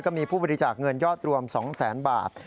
ก็มีผู้บริจาคเงินยอดรวม๒๐๐๐๐๐บาท